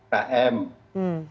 sudah ada rr